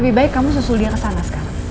lebih baik kamu susul dia kesana sekarang